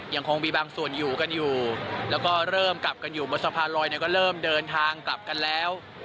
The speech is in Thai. ยังคงมีบางส่วนอยู่กันอยู่แล้วก็เริ่มกลับกันอยู่บนสะพานลอยเนี่ยก็เริ่มเดินทางกลับกันแล้ว